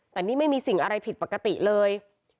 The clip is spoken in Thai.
แต่นี่ไม่มีสิ่งอะไรผิดปกติเลย